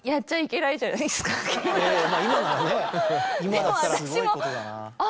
でも私も。